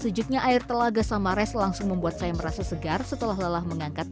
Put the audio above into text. sejuknya air telaga samares langsung membuat saya merasa segar setelah lelah mengangkat